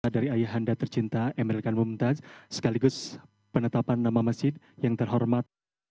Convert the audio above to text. dari ayahanda tercinta emeril kan mumtaz sekaligus penetapan nama masjid yang terhormat